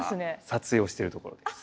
撮影をしているところです。